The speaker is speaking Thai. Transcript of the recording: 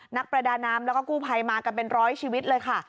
นักประดาน้ำแล้วก็กู้ภัยมากันเป็นร้อยชีวิตเลยค่ะ